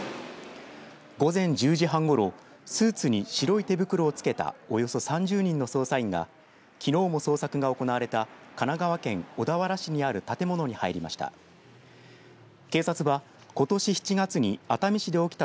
午前１０時半ごろスーツに白い手袋を着けたおよそ３０人の捜査員がきのうも捜索が行われた神奈川県小田原市にある建物に入りました。